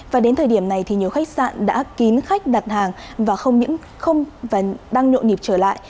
và đến thời điểm này nhiều khách sạn đã kín khách đặt hàng và không những không và đang nhộn nhịp trở lại